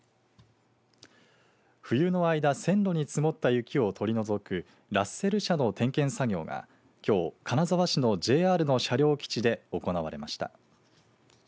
冬の間線路に積もった雪を取り除くラッセル車の点検作業がきょう、金沢市のＪＲの車両基地で行われました。